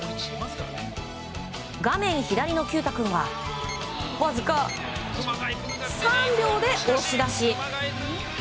画面左の毬太君はわずか３秒で押し出し。